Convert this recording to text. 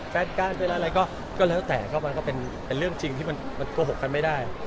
แฟนการเป็นอะไรก็แล้วแต่ก็มันก็เป็นเรื่องจริงที่มันโกหกกันไม่ได้